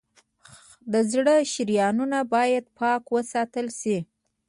د زړه شریانونه باید پاک وساتل شي.